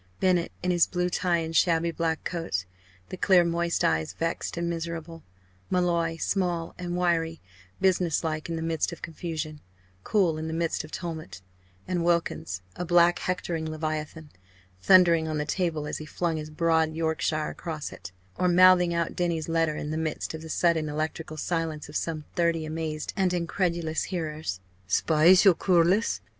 Bennett, in his blue tie and shabby black coat, the clear moist eyes vexed and miserable Molloy, small and wiry, business like in the midst of confusion, cool in the midst of tumult and Wilkins, a black, hectoring leviathan, thundering on the table as he flung his broad Yorkshire across it, or mouthing out Denny's letter in the midst of the sudden electrical silence of some thirty amazed and incredulous hearers. "Spies, yo call us?"